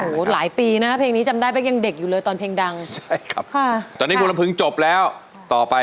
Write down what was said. ก็ตอนเป็นไว้รุ่นอยู่ก็ร้องเล่นกันประจำ